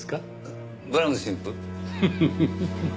フフフッ。